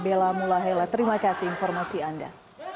bella mulahela terima kasih informasi anda